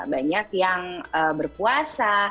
banyak yang berpuasa